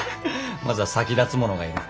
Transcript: まずは先立つものが要る。